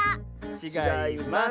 ちがいます。